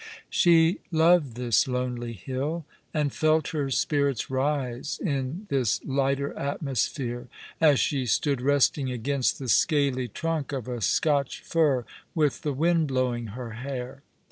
She loved this lonely hill, and felt her spirits rise in this lighter atmosphere as she stood resting against the scaly trunk of a Scotch fiir, with the wind blowing her hair.